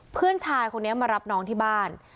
เพื่อนชายคนนี้มารับน้องที่บ้าน